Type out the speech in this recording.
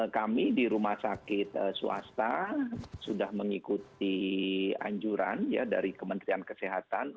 kami di rumah sakit swasta sudah mengikuti anjuran ya dari kementerian kesehatan